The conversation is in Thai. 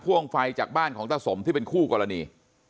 วงไฟจากบ้านของตาสมที่เป็นคู่กรณี